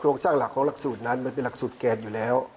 โครงสร้างหลักของหลักสูตรนั้นเป็นหลักสูตรแก่รอยด์อยู่แล้ว